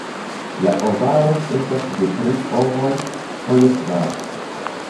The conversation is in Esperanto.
La ovaro estas de tri ovoj, foje kvar.